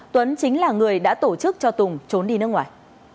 tuấn chính là người đã tổ chức cho tùng trốn đi nước ngoài